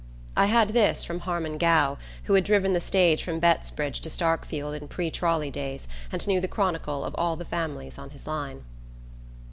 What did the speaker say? I had this from Harmon Gow, who had driven the stage from Bettsbridge to Starkfield in pre trolley days and knew the chronicle of all the families on his line.